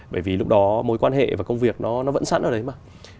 bởi vì lúc đó mối quan hệ và công việc nó vẫn sẵn ở đấy mà